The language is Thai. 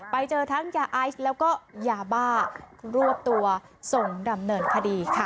ไปเจอทั้งยาไอซ์แล้วก็ยาบ้ารวบตัวส่งดำเนินคดีค่ะ